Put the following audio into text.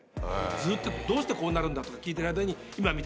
ずっとどうしてこうなるんだ？とか聞いてる間に。